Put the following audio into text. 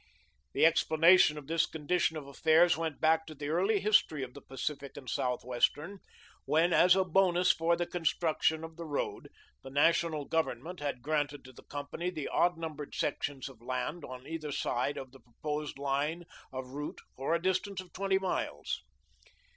The explanation of this condition of affairs went back to the early history of the Pacific and Southwestern, when, as a bonus for the construction of the road, the national government had granted to the company the odd numbered sections of land on either side of the proposed line of route for a distance of twenty miles.